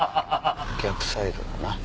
逆サイドだな。